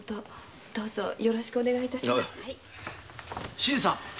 新さん。